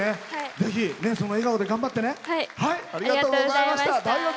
ぜひ、その笑顔で頑張ってね。